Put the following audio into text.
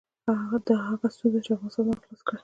دا هغه ستونزه ده چې افغانستان ځان خلاص کړي.